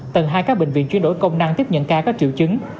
tầng hai các bệnh viện chuyển đổi công năng tiếp nhận ca có triệu chứng